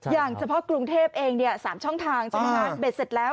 อย่างเฉพาะกรุงเทพเอง๓ช่องทางใช่ไหมคะเบ็ดเสร็จแล้ว